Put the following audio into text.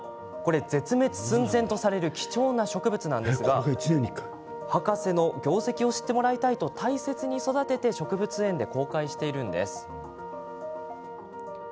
絶滅寸前とされる貴重な植物なんですが博士の業績を知ってもらいたいと大切に育てて植物園で公開しているんです。